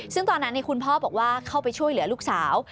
ซึ่งตอนนั้นคุณพ่อบอกว่าเข้าไปช่วยเหลือลูกสาว